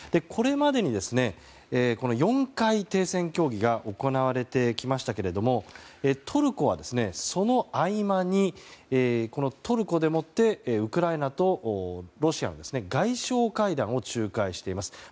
これまでに４回、停戦協議が行われてきましたけれどトルコはその合間にトルコでウクライナとロシアの外相会談を仲介しています。